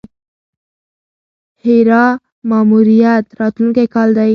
هیرا ماموریت راتلونکی کال دی.